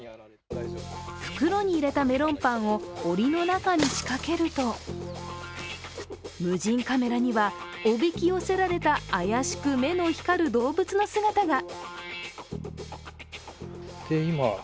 袋に入れたメロンパンをおりの中に仕掛けると無人カメラには、おびき寄せられた怪しく目の光る動物の姿が。